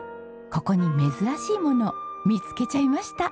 ここに珍しいもの見つけちゃいました。